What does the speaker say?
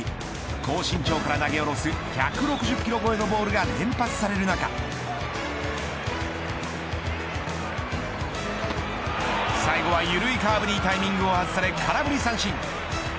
高身長から投げ下ろす１６０キロ超えのボールが連発される中最後は緩いカーブにタイミングを外され空振り三振。